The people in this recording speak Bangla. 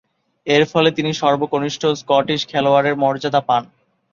এরফলে তিনি সর্বকনিষ্ঠ স্কটিশ খেলোয়াড়ের মর্যাদা পান।